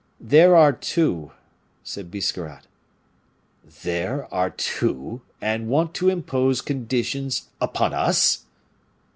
"There are two," said Biscarrat. "There are two and want to impose conditions upon us?"